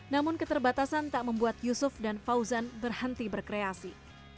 namun keterbatasan tak membuat yusuf dan fauzan berhenti berkreasi